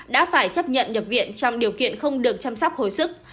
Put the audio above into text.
đã phải chấp nhận nhập viện trong điều kiện không được chăm sóc hồi sức